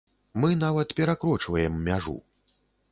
Мы нават перакрочваем мяжу.